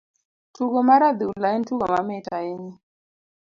Tugo mar adhula en tugo mamit ahinya.